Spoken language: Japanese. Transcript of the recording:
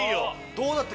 どうだった？